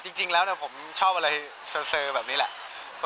จริงแล้วผมชอบอะไรเซอร์แบบนี้แหละ